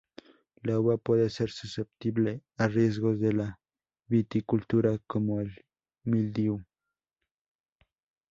La uva puede ser susceptible a riesgos de la viticultura como el mildiu.